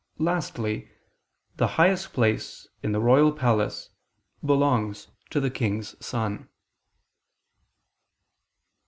Lastly, the highest place in the royal palace belongs to the king's son.